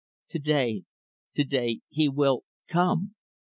"To day to day he will come."